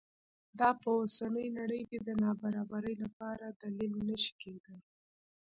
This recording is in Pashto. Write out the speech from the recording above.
دا په اوسنۍ نړۍ کې د نابرابرۍ لپاره دلیل نه شي کېدای.